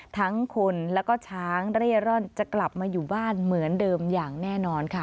ทั้งคนแล้วก็ช้างเร่ร่อนจะกลับมาอยู่บ้านเหมือนเดิมอย่างแน่นอนค่ะ